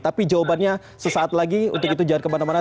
tapi jawabannya sesaat lagi untuk itu jangan kemana mana